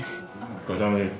お疲れさまです。